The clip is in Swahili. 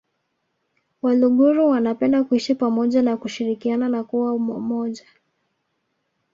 Waluguru wanapenda kuishi pamoja na kushirikiana na kuwa wamoja